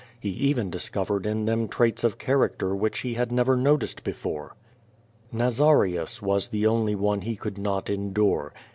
He even discovered in them traits of character which he had never noticed before. Nazarius was the only one he could not endure.